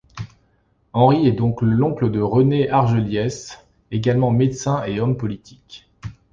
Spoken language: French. Henry est donc l'oncle de René Argelliès, également médecin et homme politique.